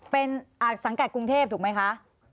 เป็นสังกัดกรุงเทพถูกไหมคะ